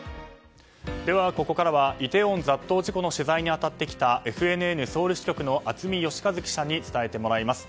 ここからはイテウォン雑踏事故の取材に当たってきたＦＮＮソウル支局の熱海吉和記者に伝えてもらいます。